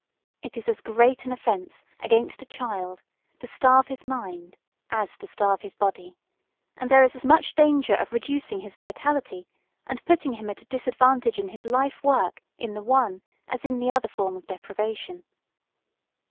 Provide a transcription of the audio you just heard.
It is as great an offence against a child to starve his mind as to starve his body, and there is as much danger of reducing his vitality and putting him at a disadvantage in his lifework in the one as in the other form of deprivation.